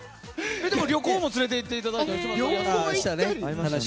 でも旅行も連れて行っていただいたり。